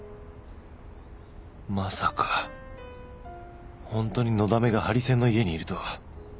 まさかホントにのだめがハリセンの家にいるとは。